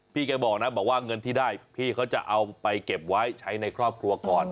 แกบอกนะบอกว่าเงินที่ได้พี่เขาจะเอาไปเก็บไว้ใช้ในครอบครัวก่อน